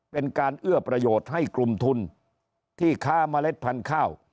เป็นการเอื้อประโยชน์ให้กลุ่มทุนที่ค้าเมล็ดพันธุ์ข้าว